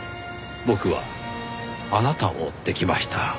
僕はあなたを追って来ました。